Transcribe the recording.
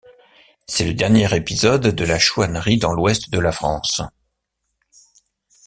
C’est le dernier épisode de la chouannerie dans l’Ouest de la France.